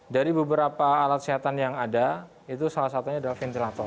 dari beberapa alat kesehatan yang ada itu salah satunya adalah ventilator